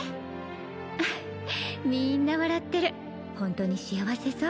フフッみーんな笑ってる本当に幸せそう